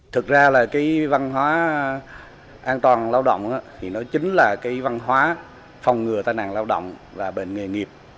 thực ra là cái văn hóa an toàn lao động thì nó chính là cái văn hóa phòng ngừa tai nạn lao động và bệnh nghề nghiệp